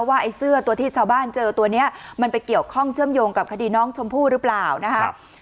ไอ้เสื้อตัวที่ชาวบ้านเจอตัวนี้มันไปเกี่ยวข้องเชื่อมโยงกับคดีน้องชมพู่หรือเปล่านะครับ